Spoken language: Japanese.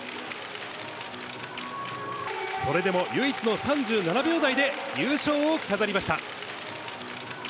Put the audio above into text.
それでも唯一の３７秒台で優勝を飾りました。